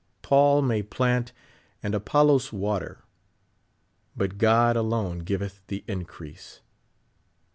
"Paul may plant and Apollos water, but God alone giveth the increase."